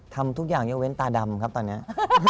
ทำทุกอย่างยกเว้นตาดำครับตอนนี้